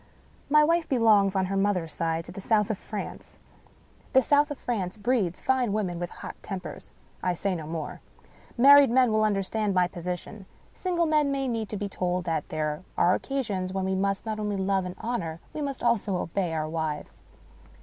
My wife belongs, on her mother's side, to the South of France. The South of France breeds fine women with hot tempers. I say no more. Married men will understand my position. Single men may need to be told that there are occasions when we must not only love and honor — ^we must also obey — our wives.